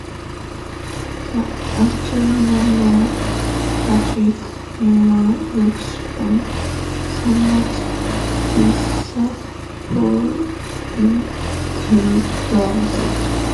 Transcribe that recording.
The astronomer Patrick Moore looks on somewhat disapprovingly from the left.